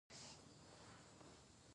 د سپیرې ولسوالۍ ځنګلونه لري